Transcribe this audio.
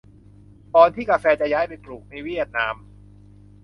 ก่อนที่กาแฟจะย้ายไปปลูกในเวียดนาม